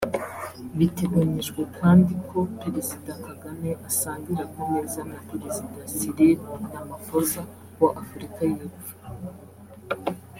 Biteganyijwe kandi ko Perezida Kagame asangira ku meza na Perezida Cyril Ramaphosa wa Afurika y’Epfo